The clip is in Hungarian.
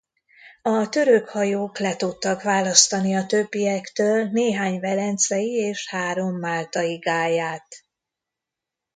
A török hajók le tudtak választani a többiektől néhány velencei és három máltai gályát.